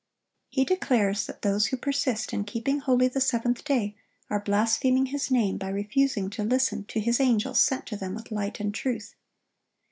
He declares that those who persist in keeping holy the seventh day are blaspheming his name by refusing to listen to his angels sent to them with light and truth.